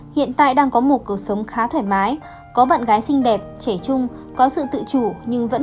hiện tại đang có một cuộc sống khá thoải mái có bạn gái xinh đẹp trẻ trung có sự tự chủ nhưng vẫn